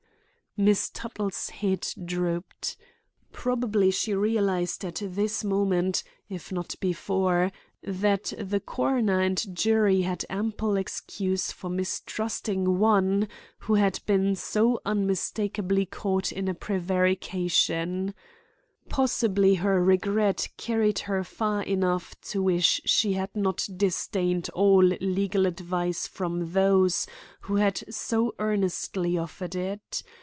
Miss Tuttle's head drooped. Probably she realized at this moment, if not before, that the coroner and jury had ample excuse for mistrusting one who had been so unmistakably caught in a prevarication; possibly her regret carried her far enough to wish she had not disdained all legal advice from those who had so earnestly offered it.